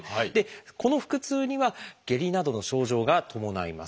この腹痛には下痢などの症状が伴います。